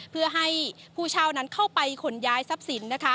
เพื่อให้ผู้เช่านั้นเข้าไปขนย้ายทรัพย์สินนะคะ